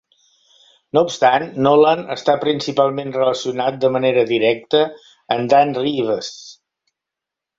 No obstant, Nolan està principalment relacionat de manera directa amb Dan Reeves.